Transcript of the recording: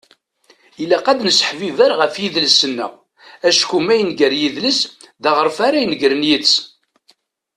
Ilaq ad nesseḥbiber ɣef yidles-nneɣ. Acku ma yenger yidles, d aɣref ara inegren yid-s.